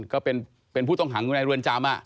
ก็เป็นเป็นผู้ต้องหังในเรือนจำอ่ะ